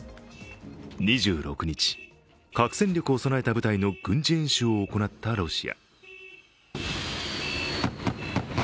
２６日、核戦力を備えた部隊の軍事演習を行ったロシア。